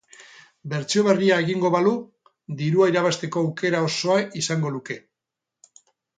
Bertsio berria egingo balu dirua irabazteko aukera osoa izango luke.